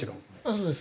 そうです。